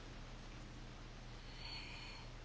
え。